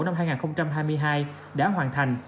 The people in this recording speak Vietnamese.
năm hai nghìn hai mươi hai đã hoàn thành